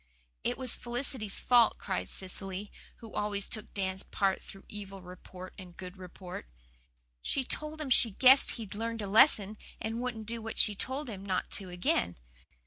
"It was Felicity's fault," cried Cecily, who always took Dan's part through evil report and good report. "She told him she guessed he'd learned a lesson and wouldn't do what she'd told him not to again.